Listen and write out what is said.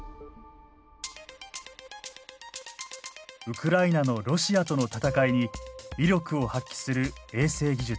ウクライナのロシアとの戦いに威力を発揮する衛星技術。